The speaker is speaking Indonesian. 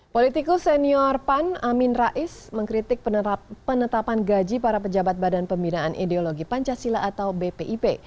politikus senior pan amin rais mengkritik penetapan gaji para pejabat badan pembinaan ideologi pancasila atau bpip